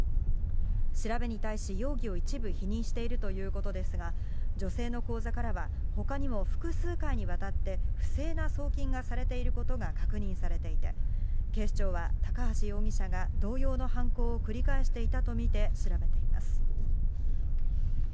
調べに対し、容疑を一部否認しているということですが、女性の口座からはほかにも複数回にわたって、不正な送金がされていることが確認されていて、警視庁は、高橋容疑者が同様の犯行を繰り返していたと見て調べています。